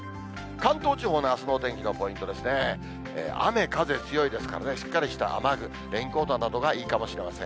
関東地方のあすのお天気のポイントですね、雨風強いですからね、しっかりした雨具、レインコートなどがいいかもしれません。